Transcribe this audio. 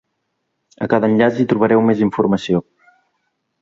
A cada enllaç hi trobareu més informació.